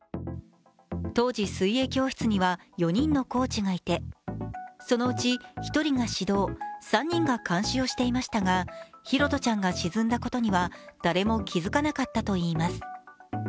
当時、水泳教室には４人のコーチがいてそのうち１人が指導、３人が監視をしていましたが拓杜ちゃんが沈んだことには誰も気づかなかったといいます。